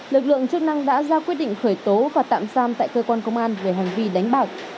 lực lượng chức năng đã ra quyết định khởi tố và tạm giam tại cơ quan công an về hành vi đánh bạc